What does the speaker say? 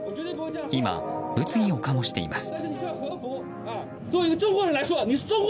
今、物議を醸しています。